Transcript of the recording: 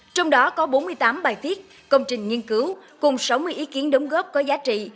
trong đó có bốn mươi tám bài viết công trình nghiên cứu cùng sáu mươi ý kiến đóng góp có giá trị